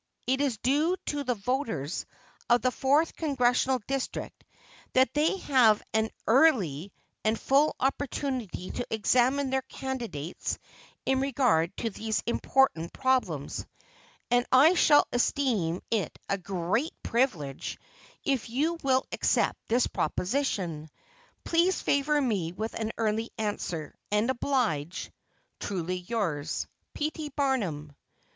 It is due to the voters of the Fourth Congressional District that they have an early and full opportunity to examine their candidates in regard to these important problems, and I shall esteem it a great privilege if you will accept this proposition. Please favor me with an early answer, and oblige, Truly yours, P. T. BARNUM.